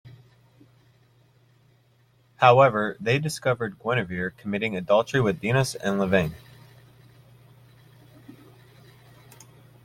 However, they discover Guinevere committing adultery with Dinas and Lavaine.